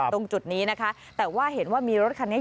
ตรงจุดนี้นะคะแต่ว่าเห็นว่ามีรถคันนี้